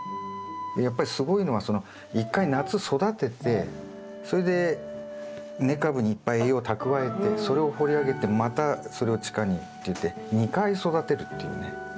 やっぱりすごいのは一回夏育ててそれで根株にいっぱい栄養を蓄えてそれを掘り上げてまたそれを地下にっていって２回育てるっていうね。